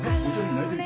泣いてる。